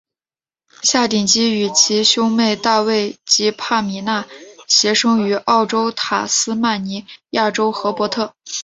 夏鼎基与其兄妹大卫及帕米娜皆生于澳洲塔斯曼尼亚州荷伯特。